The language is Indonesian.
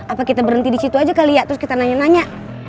apa kita berhenti di situ aja kali ya terus kita nanya nanya